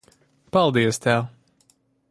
Paldies tev.